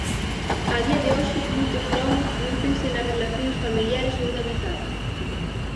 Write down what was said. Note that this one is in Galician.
A día de hoxe moitos gromos prodúcense nas relacións familiares ou de amizade.